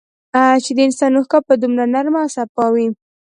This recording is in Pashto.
چي د انسان اوښکه به دومره نرمه او سپا وې